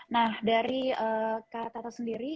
nah dari kak tata sendiri